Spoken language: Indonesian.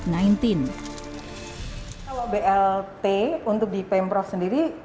kalau blt untuk di pemprov sendiri